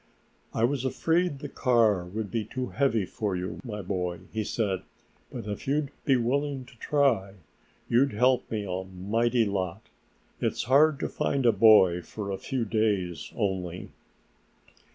"I was afraid the car would be too heavy for you, my boy," he said, "but if you'd be willing to try, you'd help me a mighty lot. It is hard to find a boy for a few days only."